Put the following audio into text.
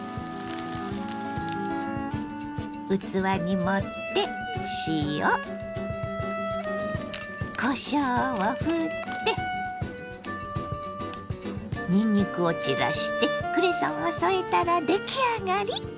器に盛って塩こしょうをふってにんにくを散らしてクレソンを添えたら出来上がり！